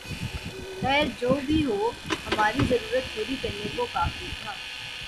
خیر جو بھی ہو ، ہماری ضرورت پوری کرنے کو کافی تھا